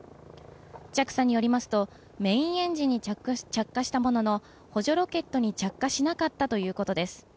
ＪＡＸＡによりますとメインエンジンに着火したものの補助ロケットに着火しなかったということです